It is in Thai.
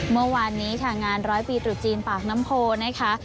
เมื่อวานนี้ค่ะงานร้อยปีตรุษจีนปากน้ำโพนะคะ